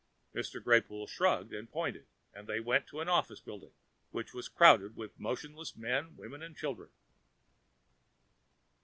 Mr. Greypoole shrugged and pointed and they went into an office building which was crowded with motionless men, women and children.